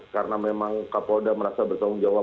karena memang kapolda merasa bertanggung jawab